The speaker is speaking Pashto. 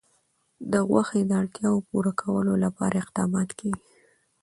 د غوښې د اړتیاوو پوره کولو لپاره اقدامات کېږي.